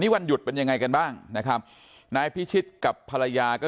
วันหยุดเป็นยังไงกันบ้างนะครับนายพิชิตกับภรรยาก็